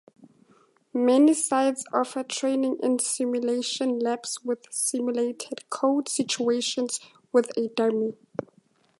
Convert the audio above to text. Many sites offer training in simulation labs with simulated code situations with a dummy.